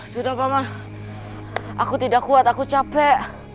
sudah papa aku tidak kuat aku capek